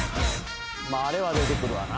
あれは出てくるわな。